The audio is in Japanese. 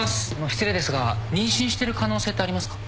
失礼ですが妊娠してる可能性ってありますか？